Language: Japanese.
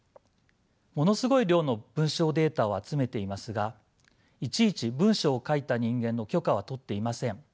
ものすごい量の文章データを集めていますがいちいち文章を書いた人間の許可は取っていません。